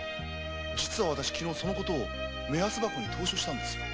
実は私昨日その事を目安箱に投書したんですよ。